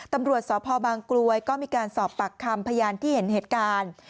ตำรวจสพบางกลวยก็มีการสอบปากคำพยานที่เห็นเหตุการณ์